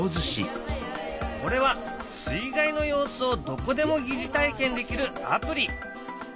これは水害の様子をどこでも疑似体験できるアプリ。